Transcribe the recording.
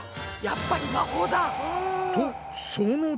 やっぱり魔法だ！